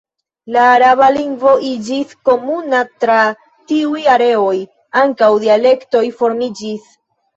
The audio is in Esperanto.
La araba lingvo iĝis komuna tra tiuj areoj; ankaŭ dialektoj formiĝis.